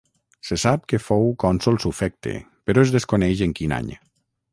Se sap que fou cònsol sufecte però es desconeix en quin any.